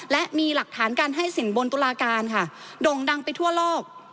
และมีหลักฐานการให้สินบนตุลาการค่ะด่งดังไปทั่วโลก